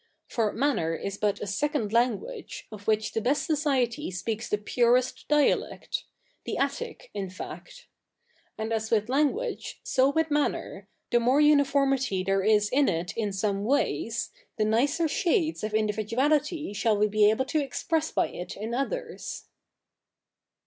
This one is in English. For manner is but a second language, of which the best society speaks the purest dialect — the Attic, in fact. And as with language, so with manner, the more uniformity there is in it in some ways, the nicer shades of individuality shall we be able to express by it in others.'